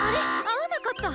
あわなかった！